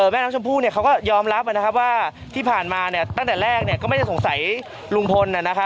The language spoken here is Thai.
แม่น้องชมพู่เขาก็ยอมรับว่าที่ผ่านมาตั้งแต่แรกก็ไม่ได้สงสัยลุงพล